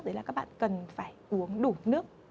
đấy là các bạn cần phải uống đủ nước